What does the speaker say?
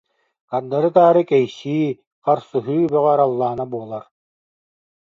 Хардары-таары кэйсии, харсыһыы бөҕө араллаана буолар